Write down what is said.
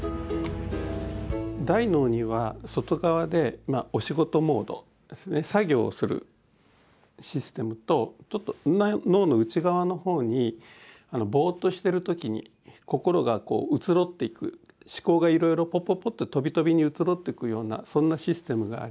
大脳には外側でお仕事モード作業をするシステムとちょっと脳の内側のほうにボーッとしてる時に心が移ろっていく思考がいろいろポッポッポッととびとびに移ろっていくようなそんなシステムがあります。